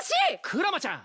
クラマちゃん